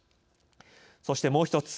そして、もう１つ。